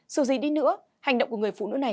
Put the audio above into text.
dù gì đi nữa hành động của người phụ nữ này